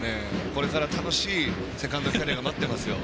これから楽しいセカンドキャリア待ってますよ。